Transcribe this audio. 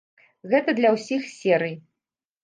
Гэта для ўсіх серый.